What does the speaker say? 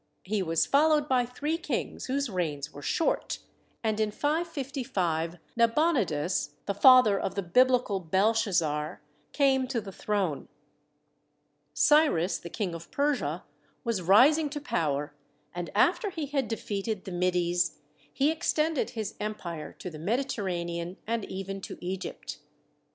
He was followed by three kings whose reigns were short, and in 555 Nabonidus, the father of the Biblical Belshazzar, came to the throne. Cyrus, the King of Persia, was rising to power, and after he had defeated the Medes he extended his empire to the Mediter ranean and even to Egypt.